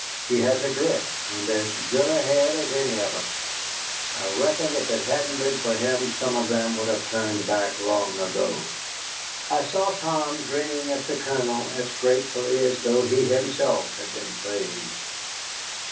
He has grit, and as good a head as any of us. I reckon if it hadn't been for him some of them would have turned back long ago." I saw Tom grinning at the Colonel as gratefully as though he himself had been praised.